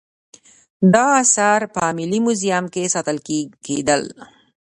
دا اثار په ملي موزیم کې ساتل کیدل